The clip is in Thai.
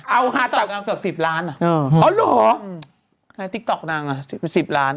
เอาฮาตลอดนางเกือบสิบล้านอ่ะเอออ๋อเหรอในติ๊กต๊อกนางอ่ะสิบล้าน